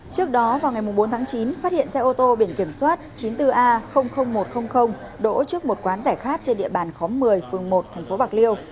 trước đó vào ngày bốn tháng chín phát hiện xe ô tô biển kiểm soát chín mươi bốn a một trăm linh đỗ trước một quán giải khát trên địa bàn khóm một mươi phường một tp bạc liêu